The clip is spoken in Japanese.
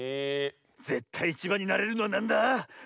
ぜったいいちばんになれるのはなんだ？